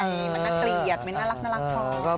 มันน่าเกลียดมันน่ารักน่ารักพอ